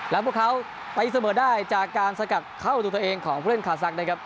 แล้วพวกเขาตะอิดเสมอได้จากการสกัดเข้าอุดถูกตัวเองของเพื่อนคาซักเนี่ยครับ